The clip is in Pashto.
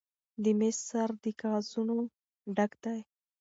د میز سر له کاغذونو ډک دی.